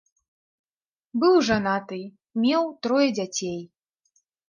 Быў жанаты, меў трое дзяцей.